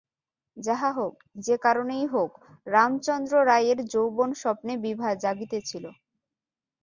যাহা হউক, যে-কারণেই হউক রামচন্দ্র রায়ের যৌবন-স্বপ্নে বিভা জাগিতেছিল।